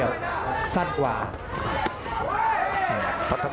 อัศวินาศาสตร์